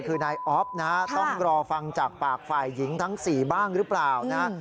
คือนายอ๊อฟนะฮะต้องรอฟังจากปากฝ่ายหญิงทั้ง๔บ้างหรือเปล่านะฮะ